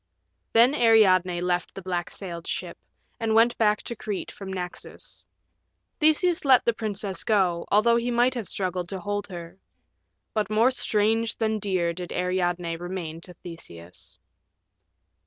Then Ariadne left the black sailed ship, and went back to Crete from Naxos. Theseus let the princess go, although he might have struggled to hold her. But more strange than dear did Ariadne remain to Theseus.